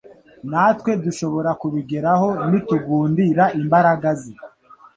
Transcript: natwe dushobora kubigeraho nitugundira imbaraga ze.